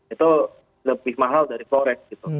itu lebih mahal dari korek gitu